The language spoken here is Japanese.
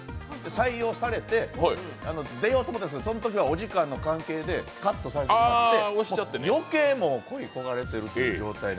採用されて出ようと思ったんですが、そのときはお時間の関係でカットされちゃって、余計、もう恋い焦がれてる状態で。